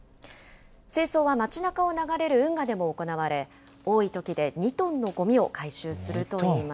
清掃は街なかを流れる運河でも行われ、多いときで２トンのごみを２トン？